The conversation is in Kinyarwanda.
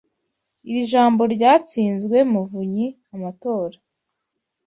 Iri jambo ryatsinzwe muvunyi amatora.